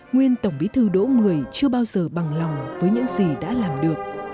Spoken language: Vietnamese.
nguyên tổng bí thư đỗ mười chưa bao giờ bằng lòng với những gì đã làm được